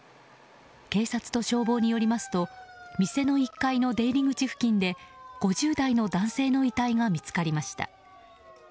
警察と消防によりますと店の１階の出入り口付近で５０代の男性の遺体が見つかりました。